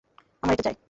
আমার এটা চাই।